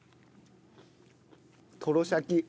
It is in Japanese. トロシャキ！